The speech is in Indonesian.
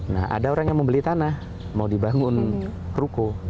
nah ada orang yang membeli tanah mau dibangun ruko